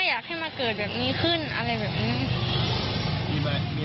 อยากให้มาเกิดแบบนี้ขึ้นอะไรแบบนี้